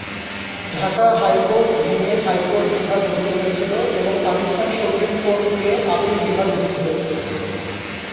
Dhaka high court ভেঙে high court বিভাগ গঠিত হয়েছিল এবং পাকিস্তান সুপ্রিম কোর্ট নিয়ে আপীল বিভাগ গঠিত হয়েছিল।